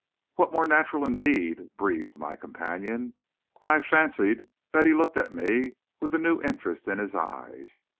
"What more natural, indeed!" breathed my companion, and I fancied that he looked at me with a new interest in his eyes.